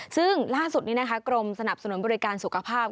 ซึ่งล่าสุดนี้นะคะกรมสนับสนุนบริการสุขภาพ